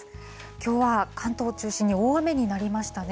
きょうは関東を中心に大雨になりましたね。